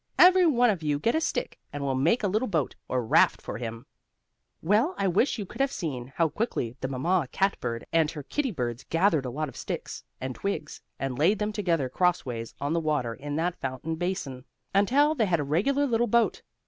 Every one of you get a stick, and we'll make a little boat, or raft, for him!" Well, I wish you could have seen how quickly the mamma cat bird and her kittie birds gathered a lot of sticks, and twigs, and laid them together crossways on the water in that fountain basin, until they had a regular little boat.